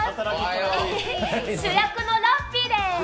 エヘヘ主役のラッピーでーす。